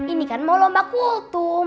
ini kan mau lomba kutu